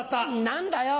何だよ。